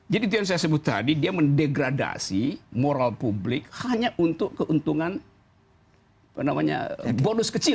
jadi itu yang saya sebut tadi dia mendegradasi moral publik hanya untuk keuntungan apa namanya bonus keuntungan